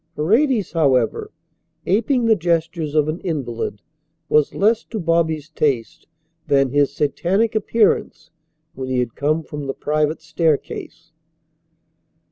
Paredes, however, aping the gestures of an invalid, was less to Bobby's taste than his satanic appearance when he had come from the private staircase.